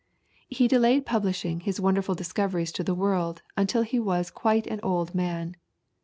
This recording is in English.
He delayed publishing his wonderful discoveries to the world until he was quite an old man.